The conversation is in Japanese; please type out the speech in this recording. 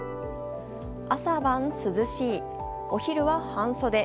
朝晩涼しい、お昼は半袖。